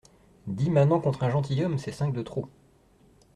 Dix manants contre un gentilhomme, c’est cinq de trop.